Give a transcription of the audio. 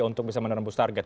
untuk bisa menembus target